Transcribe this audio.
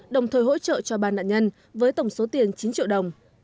đồng thời hỗ trợ cho ba nạn nhân với tổng số tiền chín triệu đồng